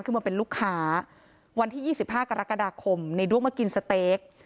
ขึ้นมาเป็นลูกค้าวันที่ยี่สิบห้ากรกฎาคมในด้วงมากินสเต๊ค